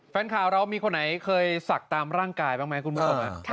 แฟนคาวแล้วมีคนไหนเคยศักดิ์ตามร่างกายบ้างไหมคุณหมูบอกไหม